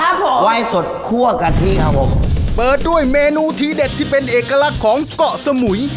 วายสดคั่วกะทิครับผมเปิดด้วยเมนูทีเด็ดที่เป็นเอกลักษณ์ของเกาะสมุย